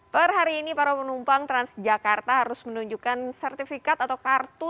per hari ini para penumpang transjakarta harus menunjukkan sertifikat atau kartu